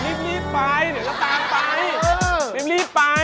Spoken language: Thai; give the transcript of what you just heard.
เรียบรีบไปเดี๋ยวละตามไป